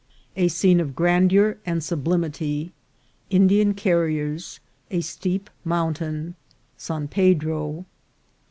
— A Scene of Grandeur and Sublimity. — Indian Carriers. — A steep Mountain. — San Pedro.